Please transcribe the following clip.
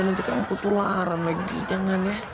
nanti kan aku tularan lagi jangan ya